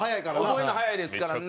覚えるの早いですからね。